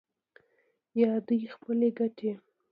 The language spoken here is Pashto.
یا دوی خپلې ګټې